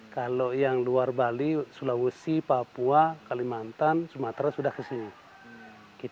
kalau yang luar bali sulawesi papua kalimantan sumatera sudah kesini